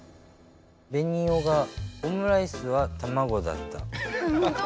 ベニオが「オムライスは卵だった」。